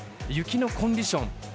雪のコンディション